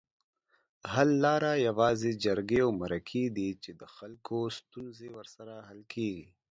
حل لاره یوازې جرګې اومرکي دي چي دخلګوستونزې ورسره حل کیږي